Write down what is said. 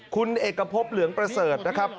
คุณเอกพบเหลืองประเสริฐนะครับ